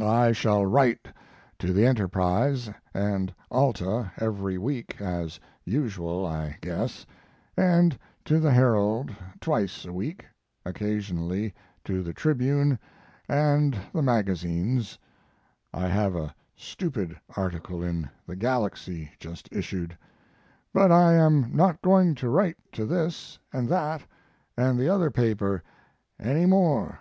I shall write to the Enterprise and Alta every week, as usual, I guess, and to the Herald twice a week, occasionally to the Tribune and the magazines (I have a stupid article in the Galaxy, just issued), but I am not going to write to this and that and the other paper any more.